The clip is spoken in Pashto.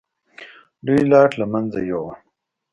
لوی لاټ له منځه یووړ.